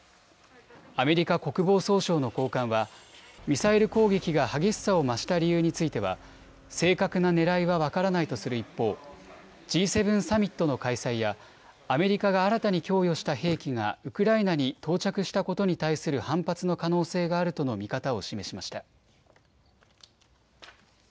アメリカ国防総省の高官はミサイル攻撃が激しさを増した理由については正確なねらいは分からないとする一方、Ｇ７サミットの開催やアメリカが新たに供与した兵器がウクライナに到着したことに対する反発の可能性があるとの見方を示しました。